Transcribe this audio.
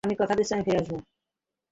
আমি কথা দিচ্ছি আমি ফিরে আসব।